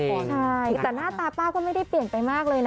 ใช่แต่หน้าตาป้าก็ไม่ได้เปลี่ยนไปมากเลยนะ